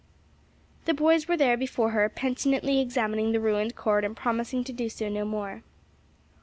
The boys were there before her, penitently exhibiting the ruined cord and promising to do so no more.